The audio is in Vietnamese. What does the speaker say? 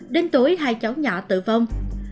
đến tuổi hai cháu nhỏ tử vong